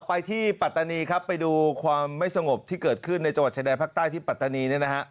ไปที่ปัตธานีไปดูความไม่สงบที่เกิดขึ้นในจังหวัดชายแดนพักใจที่ปัตธานี